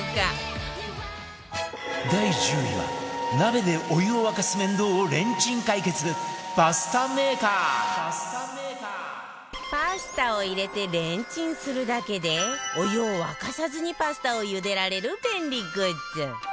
第１０位は鍋でお湯を沸かす面倒をレンチン解決パスタメーカーパスタを入れてレンチンするだけでお湯を沸かさずにパスタを茹でられる便利グッズ